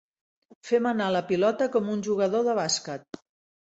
Fem anar la pilota com un jugador de bàsquet.